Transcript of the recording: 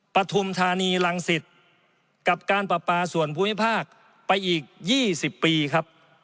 ปฐุมธานีรังสิตกับการปราปาส่วนภูมิภาคไปอีก๒๐ปีครับ